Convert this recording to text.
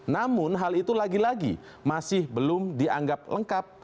namun hal itu lagi lagi masih belum dianggap lengkap